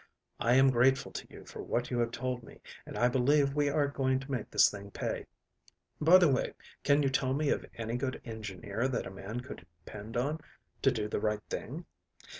I am grateful to you for what you have told me, and I believe we are going to make this thing pay. By the way, can you tell me of any good engineer that a man could depend upon to do the right thing?"